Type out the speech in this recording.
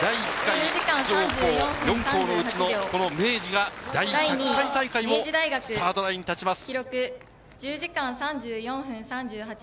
第１回出場校４校のうちの、この明治が第１００回大会もスタートラインに立ちます。